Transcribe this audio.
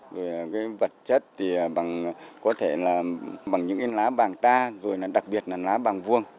rồi cái vật chất thì có thể là bằng những cái lá bảng ta rồi đặc biệt là lá bảng vuông